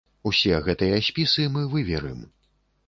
Усе гэтыя спісы мы выверым.